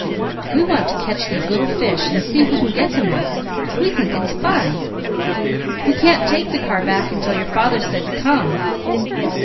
We want to catch these little fish, and see who can get the most. We think it's fun. We can't take the car back until your father said to come."